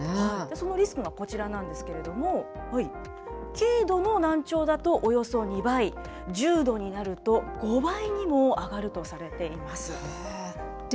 そのリスクがこちらなんですけれども、軽度の難聴だとおよそ２倍、重度になると５倍にも上がるとされています。